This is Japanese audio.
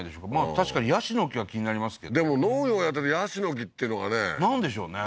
確かに椰子の木は気になりますけどでも農業やってて椰子の木っていうのがねなんでしょうね？